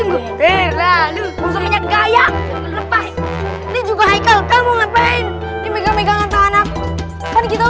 kita kan kita udah janjian kalau kita tuh mau gagalin ahmad masyar itu